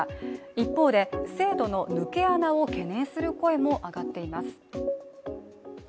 一方で、制度の抜け穴を懸念する声も上がっています。